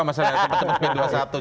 masalahnya cepat cepat p dua puluh satu